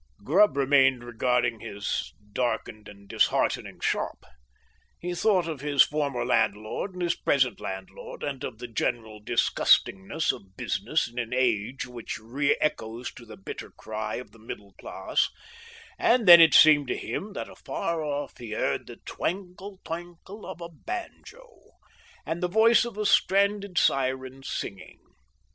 Grubb remained regarding his darkened and disheartening shop; he thought of his former landlord and his present landlord, and of the general disgustingness of business in an age which re echoes to The Bitter Cry of the Middle Class; and then it seemed to him that afar off he heard the twankle, twankle of a banjo, and the voice of a stranded siren singing.